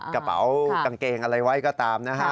กระเป๋ากางเกงอะไรไว้ก็ตามนะฮะ